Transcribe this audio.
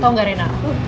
tau gak rena